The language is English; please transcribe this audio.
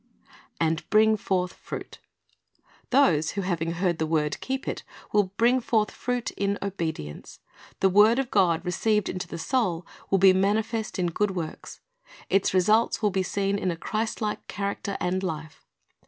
"And bring forth fruit." Those who, having heard the word, keep it, will bring forth fruit in obedience. The word of God, received into the soul, will be manifest in good works. Its results will be seen in a Christlike character and life.